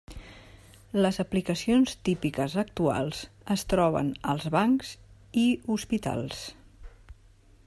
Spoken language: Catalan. Les aplicacions típiques actuals es troben als bancs i hospitals.